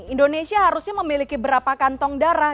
indonesia harusnya memiliki berapa kantong darah